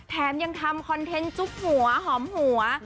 แถมยังทำคอนเทนต์จุ๊บหัวหอมหัว